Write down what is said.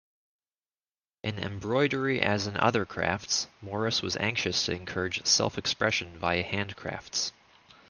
In embroidery as in other crafts, Morris was anxious to encourage self-expression via handcrafts.